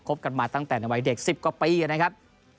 บกันมาตั้งแต่ในวัยเด็ก๑๐กว่าปีนะครับ